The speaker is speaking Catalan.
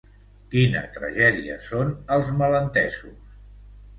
Quina tragèdia son els malentesos.